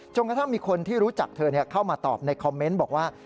กระทั่งมีคนที่รู้จักเธอเข้ามาตอบในคอมเมนต์บอกว่า